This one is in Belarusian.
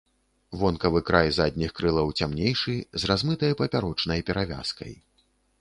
Вонкавы край задніх крылаў цямнейшы, з размытай папярочнай перавязкай.